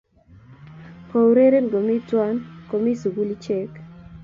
ko ureren komi tuan komi sugul ichek